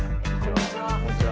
こんにちは。